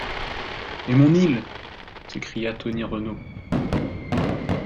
Et mon île?... s’écria Tony Renault.